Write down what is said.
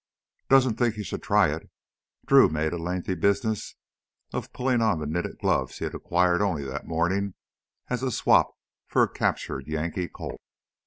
"Doesn't think he should try it." Drew made a lengthy business of pulling on the knitted gloves he had acquired only that morning as a swap for a captured Yankee Colt.